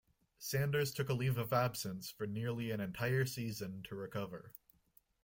Sanders took a leave of absence for nearly an entire season to recover.